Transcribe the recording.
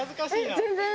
全然。